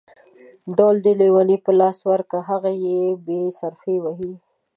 ډول د ليوني په لاس ورکه ، هغه يې بې صرفي وهي.